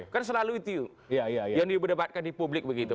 kan selalu itu yang dibedapatkan di publik begitu